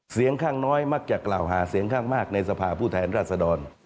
เสียงข้างน้อยมักจะกล่าวหาเสียงข้างมากในสภาพผู้แทนราชดร